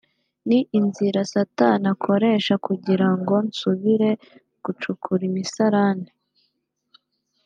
ni inzira satani akoresha kugira ngo nsubire gucukura imisarane